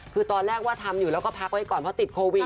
คือตอนแรกว่าทำอยู่แล้วก็พักไว้ก่อนเพราะติดโควิด